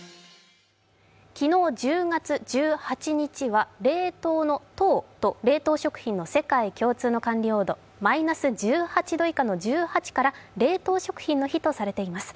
昨日、１０月１８日は冷凍のトウと冷凍食品の世界共通の管理温度、マイナス１８度以下の１８から冷凍食品の日とされています。